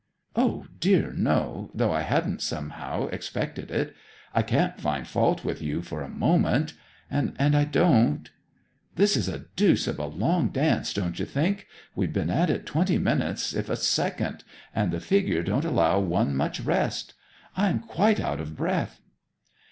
'O dear, no. Though I hadn't, somehow, expected it. I can't find fault with you for a moment and I don't ... This is a deuce of a long dance, don't you think? We've been at it twenty minutes if a second, and the figure doesn't allow one much rest. I'm quite out of breath.'